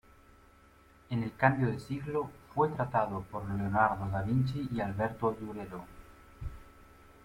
En el cambio de siglo fue tratado por Leonardo da Vinci y Alberto Durero.